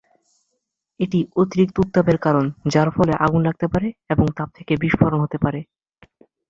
এটি অতিরিক্ত উত্তাপের কারণ, যার ফলে আগুন লাগতে পারে এবং তাপ থেকে বিস্ফোরণ হতে পারে।